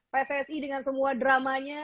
pssi dengan semua dramanya